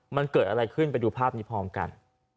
มันเกิดอะไรขึ้นไปดูภาพนี้พร้อมกัน